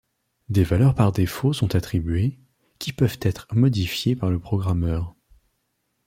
Des valeurs par défaut sont attribuées, qui peuvent être modifiées par le programmeur.